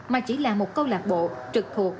mà chỉ là một câu lạc bộ trực thuộc